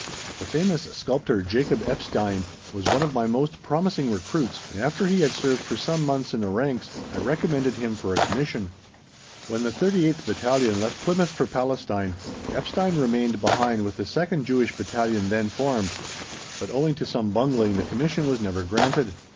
The famous sculptor, Jacob Epstein, was one of my most promising recruits, and after he had served for some months in the ranks I recommended him for a commission. When the 38th Battalion left Plymouth for Palestine, Epstein remained behind with the second Jewish Battalion then formed, but owing to some bungling the commission was never granted.